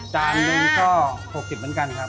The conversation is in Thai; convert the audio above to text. จานจื้อมาก็๖๐บาทเหมือนกันค่ะ